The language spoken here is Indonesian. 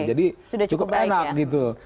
jadi cukup enak gitu